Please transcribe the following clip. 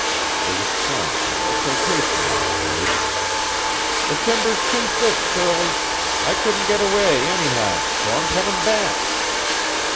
There was triumph, exultation in his voice. "The timber's too thick, Shirley. I couldn't get away anyhow so I'm coming back."